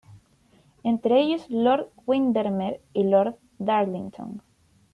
Entre ellos Lord Windermere y Lord Darlington.